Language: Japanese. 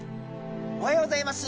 おはようございます。